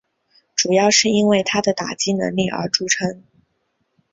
主要是因为他的打击能力而着称。